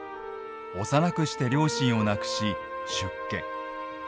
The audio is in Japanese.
幼くして両親を亡くし、出家。